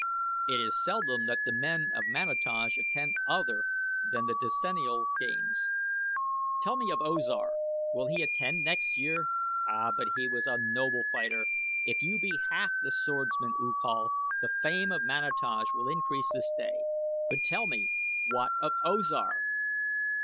"It is seldom that the men of Manataj attend other than the decennial games. Tell me of O Zar! Will he attend next year? Ah, but he was a noble fighter. If you be half the swordsman, U Kal, the fame of Manataj will increase this day. But tell me, what of O Zar?"